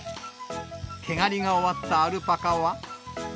毛刈りが終わったアルパカは。